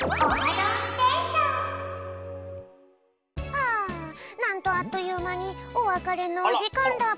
ああなんとあっというまにおわかれのおじかんだぴょん。